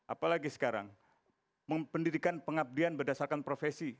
apalagi sekarang pendidikan pengabdian berdasarkan profesi